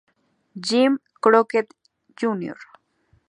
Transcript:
Jim Crockett, Jr.